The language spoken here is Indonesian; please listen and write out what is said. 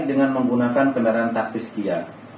dengan menggunakan kendaraan taktis dia